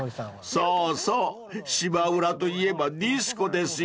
［そうそう芝浦といえばディスコですよね］